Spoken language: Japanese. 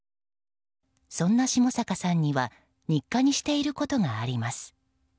そんな下坂さんには日課にしていることがあります。